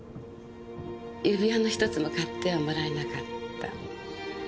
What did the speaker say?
指輪の一つも買ってはもらえなかった。